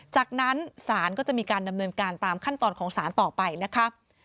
จากนั้นศาลก็จะมีการดำเนินการตามขั้นตอนของสารต่อไปนะคะ